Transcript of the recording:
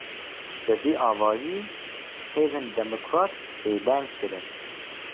Bi vî awayî, hêzên demokrat bêdeng kirin